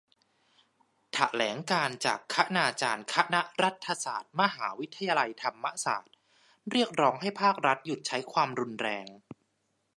แถลงการณ์จากคณาจารย์คณะรัฐศาสตร์ มหาวิทยาลัยธรรมศาสตร์ เรียกร้องให้ภาครัฐหยุดใช้ความรุนแรง